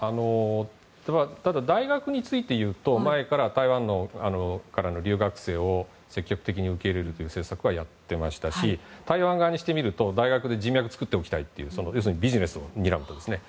ただ、大学について言うと前から台湾からの留学生を積極的に受け入れるという政策はやっていましたし台湾側にしてみると大学で人脈を作っておきたいという要するにビジネスを担っているんですね。